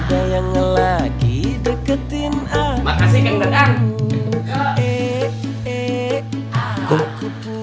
terima kasih kang dadang